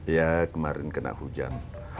ya kemarin kena hujan